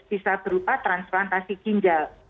bisa berupa transplantasi ginjal